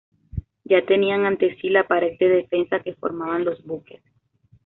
Ya tenían ante sí la pared de defensa que formaban los buques.